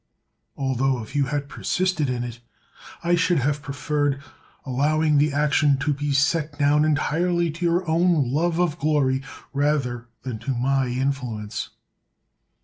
Altho, if you had persisted in it, I should have preferred allowing the action to be set down entirely to your own love of glory rather than to my influ ence.